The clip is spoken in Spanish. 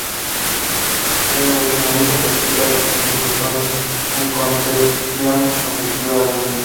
La racionalidad práctica representa entonces una concepción constructivista de la misma.